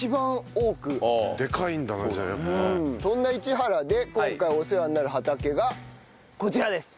そんな市原で今回お世話になる畑がこちらです！